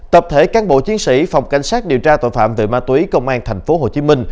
tập thể cán bộ chiến sĩ phòng cảnh sát điều tra tội phạm về ma túy công an tp hcm